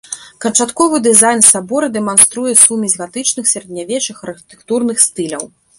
Канчатковы дызайн сабора дэманструе сумесь гатычных сярэднявечных архітэктурных стыляў.